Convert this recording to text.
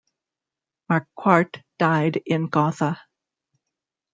Marquardt died in Gotha.